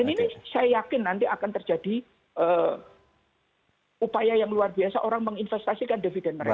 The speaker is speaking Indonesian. dan ini saya yakin nanti akan terjadi upaya yang luar biasa orang menginvestasikan dividen mereka